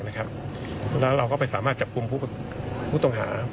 แล้วเราก็ไปสามารถจับคุมผู้ต้องหา